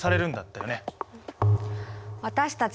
私たち